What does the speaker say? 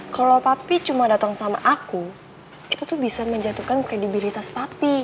kalau papi cuma datang sama aku itu tuh bisa menjatuhkan kredibilitas papi